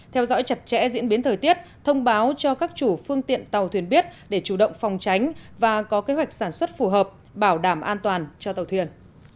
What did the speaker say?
theo dõi chặt chẽ diễn biến thời tiết thông báo cho các chủ phương tiện tàu thuyền biết để chủ động phòng tránh và có kế hoạch sản xuất phù hợp bảo đảm an toàn cho tàu thuyền